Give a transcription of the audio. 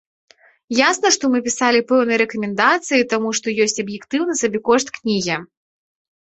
Ясна, што мы пісалі пэўныя рэкамендацыі, таму што ёсць аб'ектыўны сабекошт кнігі.